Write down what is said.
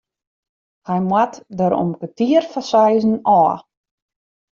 Hy moat der om kertier foar seizen ôf.